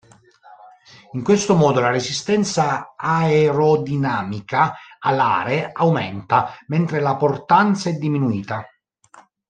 In questo modo la resistenza aerodinamica alare aumenta, mentre la portanza è diminuita.